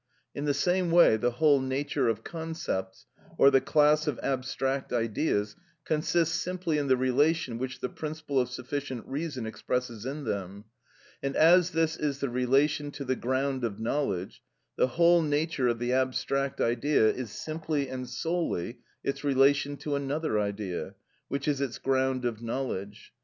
In the same way the whole nature of concepts, or the class of abstract ideas, consists simply in the relation which the principle of sufficient reason expresses in them; and as this is the relation to the ground of knowledge, the whole nature of the abstract idea is simply and solely its relation to another idea, which is its ground of knowledge.